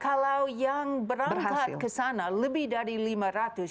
kalau yang berangkat ke sana lebih dari lima ratus